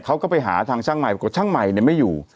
เขาก็ไปหาทางช่างใหม่ปรากฏช่างใหม่ไม่อยู่